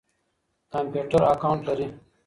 کمپيوټر اکاونټ لري.